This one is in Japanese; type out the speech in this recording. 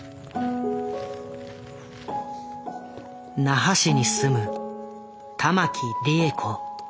那覇市に住む玉木利枝子。